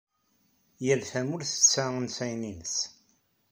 Yal tamurt tesɛa ansayen-nnes.